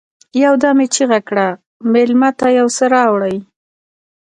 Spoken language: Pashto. يودم يې چيغه کړه: مېلمه ته يو څه راوړئ!